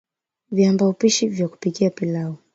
Viambaupishi vya kupikia pilau